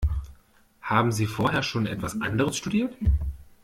Haben Sie vorher schon etwas anderes studiert?